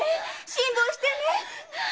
辛抱してね。